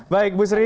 baik bu sri